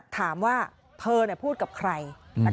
ถามว่าเธอพูดกับใคร